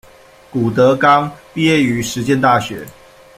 谷德刚，毕业于实践大学。